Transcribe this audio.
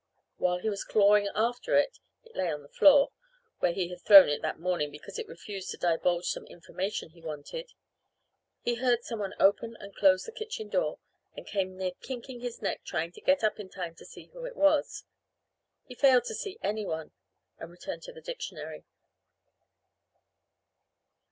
While he was clawing after it it lay on the floor, where he had thrown it that morning because it refused to divulge some information he wanted he heard some one open and close the kitchen door, and came near kinking his neck trying to get up in time to see who it was. He failed to see anyone, and returned to the dictionary.